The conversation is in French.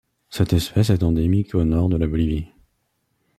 Cette espèce est endémique au nord de la Bolivie.